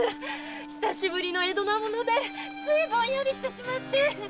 久しぶりの江戸なものでついボンヤリしてしまって！